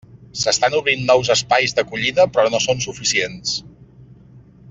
S'estan obrint nous espais d'acollida, però no són suficients.